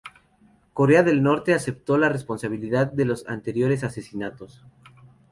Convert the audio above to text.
Corea del norte aceptó la responsabilidad de los anteriores asesinatos.